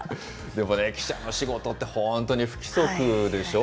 でもね、記者の仕事って本当に不規則でしょ？